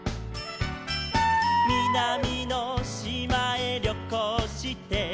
「みなみのしまへりょこうして」